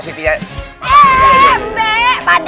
sebentar ya kak ustadz